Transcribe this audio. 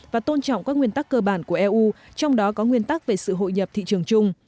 và tôn trọng các nguyên tắc cơ bản của eu trong đó có nguyên tắc về sự hội nhập thị trường chung